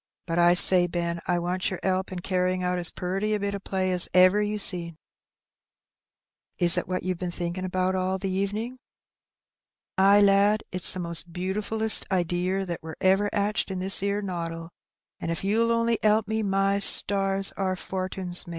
"But I say, Ben, I wants yer 'elp in carryin' out as puriy a bit o' play as ever you seen." "Is it what you've been thinking about all the evenin'?" "Ay, lad, it's the most butifullest idear that wur ever 'atched in this 'ere noddle; an' if you'll only 'elp me, my stars ! our fortin's made."